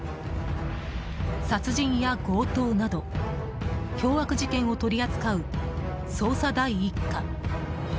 殺人や強盗など凶悪事件を取り扱う捜査第１課。